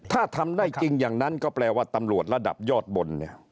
ถ้าทำได้จริงอย่างนั้นก็แปลว่าตำรวจระดับยอดบนเนี่ย